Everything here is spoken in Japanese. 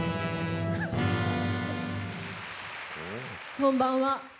こんばんは。